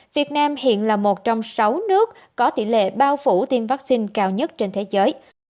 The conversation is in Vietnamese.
việt nam hiện là một trong sáu nước có tỷ lệ bao phủ tiêm vaccine cao nhất trên thế giới